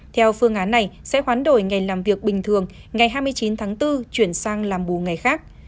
theo phương án này sẽ hoán đổi ngày làm việc bình thường ngày hai mươi chín tháng bốn chuyển sang làm bù ngày khác